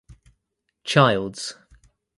Childs.